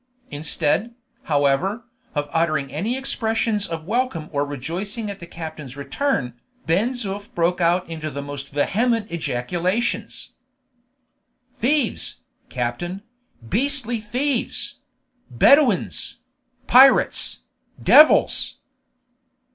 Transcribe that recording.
Instead, however, of uttering any expressions of welcome or rejoicing at the captain's return, Ben Zoof broke out into the most vehement ejaculations. "Thieves, captain! beastly thieves! Bedouins! pirates! devils!"